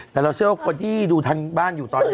แค่เราเชื่อกว่าดิดูทันบ้านอยู่ตอนนี้